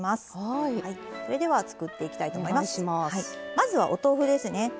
まずはお豆腐ですね。